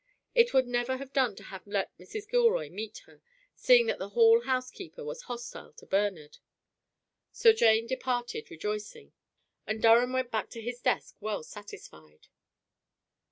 It would never have done to have let Mrs. Gilroy meet her, seeing that the Hall housekeeper was hostile to Bernard. So Jane departed rejoicing, and Durham went back to his desk well satisfied.